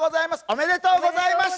ありがとうございます。